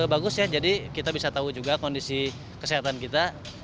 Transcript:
bagus ya jadi kita bisa tahu juga kondisi kesehatan kita